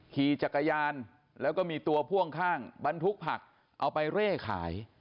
ขี่จักรยานแล้วก็มีตัวพ่วงข้างบรรทุกผักเอาไปเร่ขาย